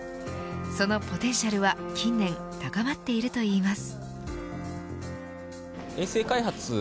そのポテンシャルは近年高まっているといいます。